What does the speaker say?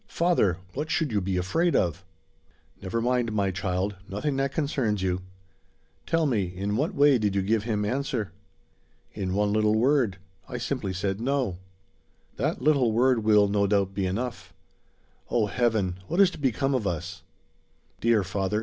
Father, what should you be afraid of?" "Never mind, my child; nothing that concerns you. Tell me: in what way did you give him answer?" "In one little word. I simply said no." "That little word will, no doubt, be enough. O Heaven! what is to become of us?" "Dear father!"